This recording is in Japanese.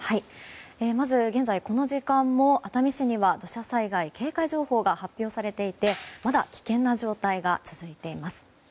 まず、現在この時間も熱海市には土砂災害警戒情報が発表されていてまだ危険な状態が続いています。